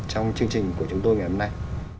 trong chương trình của chúng tôi ngày hôm nay